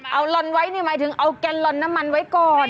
เอาลอนไว้นี่หมายถึงเอาแกนลอนน้ำมันไว้ก่อน